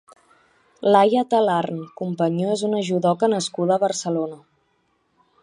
Laia Talarn Compañó és una judoka nascuda a Barcelona.